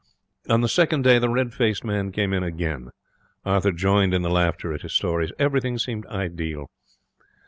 On the second day the red faced man came in again. Arthur joined in the laughter at his stories. Everything seemed ideal.